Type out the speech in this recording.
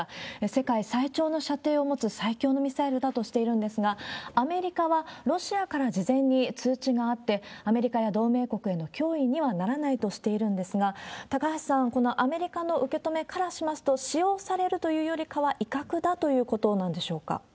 世界最長の射程を持つ最強のミサイルだとしているんですが、アメリカはロシアから事前に通知があって、アメリカや同盟国への脅威にはならないとしているんですが、高橋さん、このアメリカの受け止めからしますと、使用されるというよりかは、威嚇だということなんでしょうか？